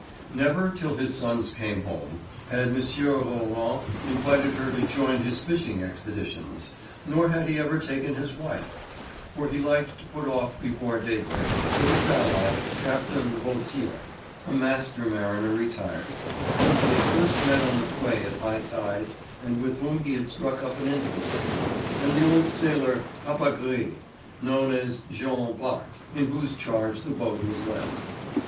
Never till his sons came home had M. Roland invited her to join his fishing expeditions, nor had he ever taken his wife; for he liked to put off before daybreak, with his ally, Captain Beausire, a master mariner retired, whom he had first met on the quay at high tides and with whom he had struck up an intimacy, and the old sailor Papagris, known as Jean Bart, in whose charge the boat was left.